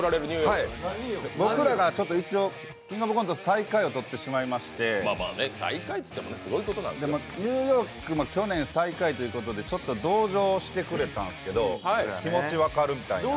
僕らが一応、「キングオブコント」最下位をとってしまいましてニューヨークも去年、最下位ということで同情してくれたんですけど気持ち分かる、みたいな。